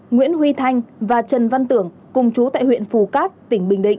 nguyễn huy thanh và trần văn tưởng cùng chú tại huyện phạm